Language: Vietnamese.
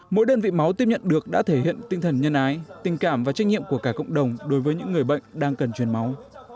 mỗi đơn vị máu tiếp nhận được đã thể hiện tinh thần nhân ái tình cảm và trách nhiệm của cả cộng đồng đối với những người bệnh đang cần truyền máu